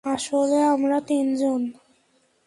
আসলে, আমরা তিন জন।